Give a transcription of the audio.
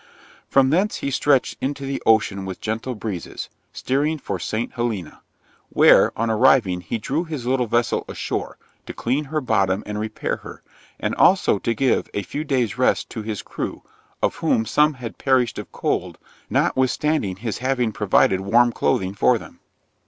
'From thence he stretched into the ocean with gentle breezes, steering for St. Helena; where, on arriving, he drew his little vessel ashore, to clean her bottom and repair her, and also to give a few days' rest to his crew, of whom some had perished of cold, notwithstanding his having provided warm clothing for them.